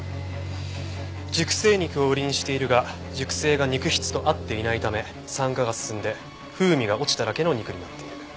「熟成肉を売りにしているが熟成が肉質と合っていないため酸化が進んで風味が落ちただけの肉になっている」